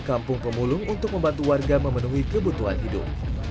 kampung pemulung untuk membantu warga memenuhi kebutuhan hidup